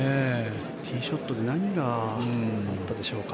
ティーショットで何があったんでしょうか。